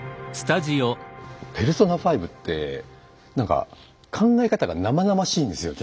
「ペルソナ５」ってなんか考え方が生々しいんですよ